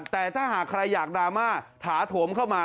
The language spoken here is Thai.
แต่ถ้าหากใครอยากดราม่าถาโถมเข้ามา